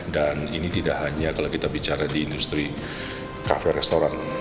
dan ini tidak hanya kalau kita bicara di industri kafe restoran